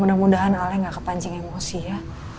mudah mudahan alde tidak terpukul emosi ya